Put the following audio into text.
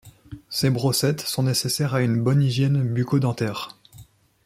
Ces brossettes sont nécessaires à une bonne hygiène bucco-dentaire.